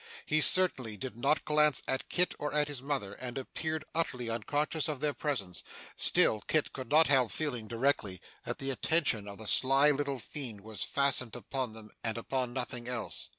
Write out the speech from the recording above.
He certainly did not glance at Kit or at his mother, and appeared utterly unconscious of their presence; still Kit could not help feeling, directly, that the attention of the sly little fiend was fastened upon them, and upon nothing else.